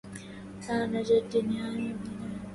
تعالى جد ديناري بنان